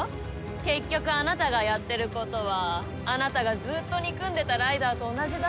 結局あなたがやってることはあなたがずっと憎んでたライダーと同じだって。